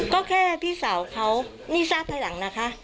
ก็แค่พี่สาวเขานี่ทราบภายหลังนะคะ